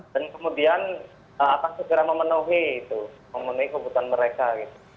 dan kemudian akan segera memenuhi itu memenuhi kebutuhan mereka gitu